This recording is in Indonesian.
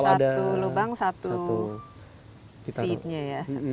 jadi satu lubang satu seatnya ya